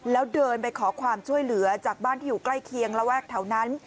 แล้วเดินไปขอความช่วยเหลือจากบ้านที่อยู่ใกล้เคียงระแวกแถวนั้น